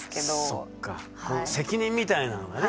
そっか責任みたいなのがね。